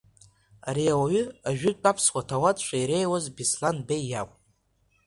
Ари ауаҩы ажәытә аԥсуа ҭауадцәа иреиуаз Беслан Беи иакәын.